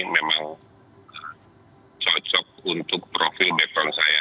memang cocok untuk profil background saya